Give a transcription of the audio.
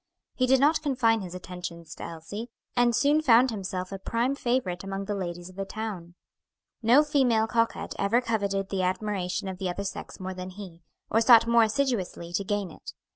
He did not confine his attentions to Elsie, and soon found himself a prime favorite among the ladies of the town. No female coquette ever coveted the admiration of the other sex more than he, or sought more assiduously to gain it.